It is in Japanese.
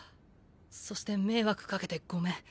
そして迷惑かけてごめん。